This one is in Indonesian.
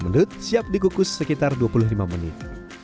mendut siap dikukus sekitar dua puluh lima menit